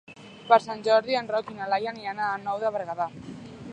Per Sant Jordi en Roc i na Laia aniran a la Nou de Berguedà.